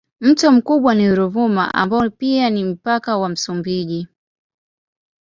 Mto mkubwa ni Ruvuma ambao ni pia mpaka wa Msumbiji.